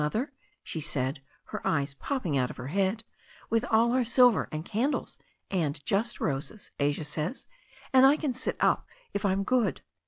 Mother," she said, her eyes popping out of her head, "with all our silver, and candles, and just roses, Asia says, and I can sit up if I'm good.